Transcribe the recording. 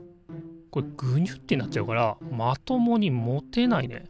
コレぐにゅってなっちゃうからまともに持てないね。